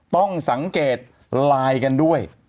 ต้องสังเกตไลน์กันด้วย